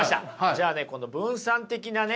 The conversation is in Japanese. じゃあねこの分散的なね